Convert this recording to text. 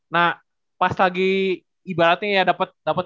nah pas lagi ibaratnya ya dapet